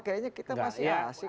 kayaknya kita masih asik